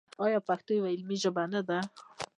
آیا پښتو یوه علمي ژبه نه ده؟